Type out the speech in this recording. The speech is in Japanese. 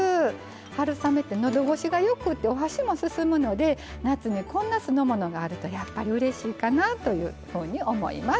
春雨ってのどごしがよくてお箸も進むので夏にこんな酢の物があるとやっぱりうれしいかなというふうに思います。